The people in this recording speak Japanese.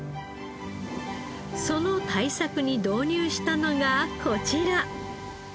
その対策に導入したのがこちら。